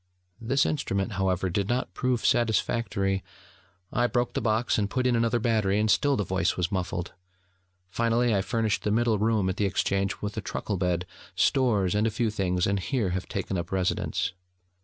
(This instrument, however, did not prove satisfactory: I broke the box, and put in another battery, and still the voice was muffled: finally, I furnished the middle room at the Exchange with a truckle bed, stores, and a few things, and here have taken up residence.)